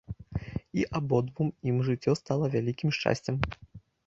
І абодвум ім жыццё стала вялікім шчасцем.